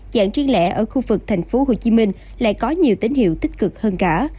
dạng truyền lẽ ở khu vực thành phố hồ chí minh lại có nhiều tín hiệu tích cực hơn cả